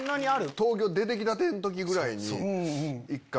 東京出て来たての時ぐらいに１回。